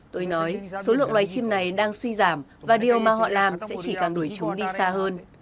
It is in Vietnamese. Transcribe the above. tôi nói số lượng loài chim này đang suy giảm và điều mà họ làm sẽ chỉ càng đổi chúng đi xa hơn